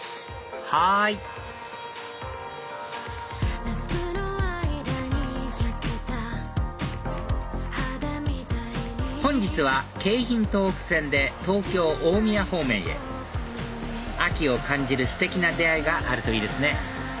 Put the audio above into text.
はい本日は京浜東北線で東京大宮方面へ秋を感じるステキな出会いがあるといいですね